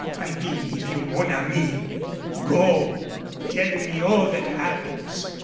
"I believe you, mon ami. Go. Tell me all that happens.